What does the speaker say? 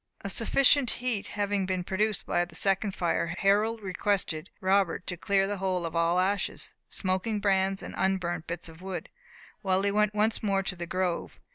A sufficient heat having been produced by the second fire, Harold requested Robert to clear the hole of all ashes, smoking brands, and unburnt bits of wood, while he went once more to the grove.